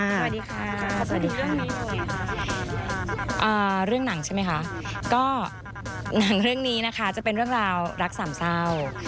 อ่าเรื่องหนังใช่ไหมคะก็หนังเรื่องนี้นะคะจะเป็นเรื่องราวรักสามเศร้า